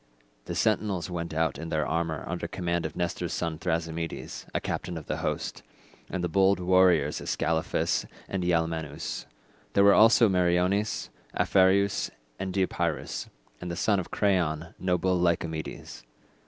The sentinels went out in their armour under command of Nestor's son Thrasymedes, a captain of the host, and of the bold warriors Ascalaphus and Ialmenus: there were also Meriones, Aphareus and Deipyrus, and the son of Creion, noble Lycomedes.